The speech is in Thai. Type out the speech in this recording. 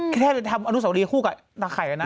แค่ไปทำอนุสาวรีคู่กับตาไข่แล้วนะ